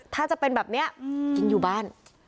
ถ้าจะเป็นแบบนี้กินอยู่บ้าน